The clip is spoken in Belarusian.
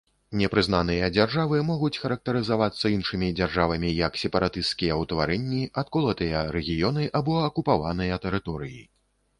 Непрызнаныя дзяржавы могуць характарызавацца іншымі дзяржавамі як сепаратысцкія ўтварэнні, адколатыя рэгіёны або акупаваныя тэрыторыі.